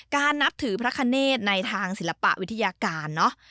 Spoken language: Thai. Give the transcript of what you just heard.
นับถือพระคเนธในทางศิลปวิทยาการเนอะ